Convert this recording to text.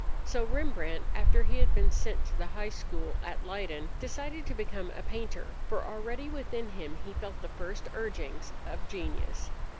So Rembrandt, after he had been sent to the high school at Leyden, decided to become a painter. For already within him he felt the first urgings of genius.